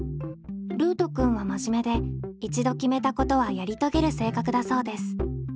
ルートくんはまじめで一度決めたことはやりとげる性格だそうです。